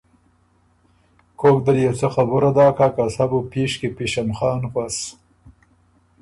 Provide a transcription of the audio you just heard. کوک دل يې څه خبُره داکا که سۀ بُو پيش کی پشمخان غؤس؟